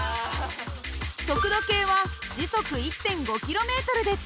速度計は時速１．５ｋｍで通過。